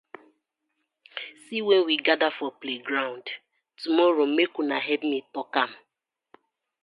See wen we gather for playground tomorrow mek una helep me tok am.